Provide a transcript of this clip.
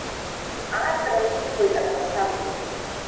Атрым иԥоит ақәасабгьы.